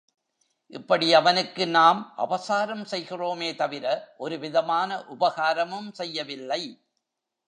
இப்படி அவனுக்கு நாம் அபசாரம் செய்கிறோமே தவிர ஒரு விதமான உபகாரமும் செய்யவில்லை.